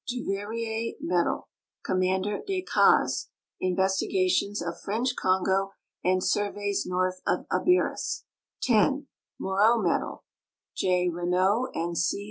iJuveyrier Medal, Commander Decazes, Investigations of French Congo and surveys north of Abiras; 10. Morot Medal, J, Renaud and C.